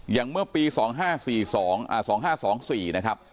อย่างเมื่อปี๒๕๒๔นะครับ